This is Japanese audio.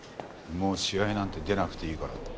もう試合なんて出なくていいからって。